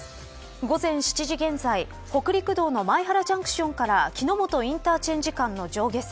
午前７時現在北陸道の米原ジャンクションから木之本インターチェンジ間の上下線